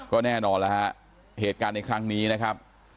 ก็แน่นอนแล้วฮะเหตุการณ์ในครั้งนี้นะครับ